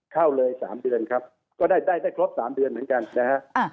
เข้าเลย๓เดือนครับก็ได้ครบ๓เดือนเหมือนกันนะฮะ